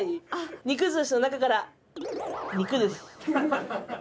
肉寿司の中から肉寿司。